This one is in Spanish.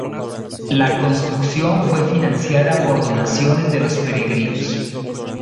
La construcción fue financiada por donaciones de los peregrinos.